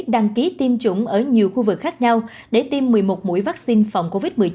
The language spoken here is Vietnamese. đăng ký tiêm chủng ở nhiều khu vực khác nhau để tiêm một mươi một mũi vaccine phòng covid một mươi chín